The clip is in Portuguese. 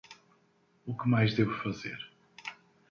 O que mais devo fazer?